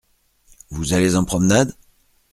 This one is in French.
Vous allez en promenade ?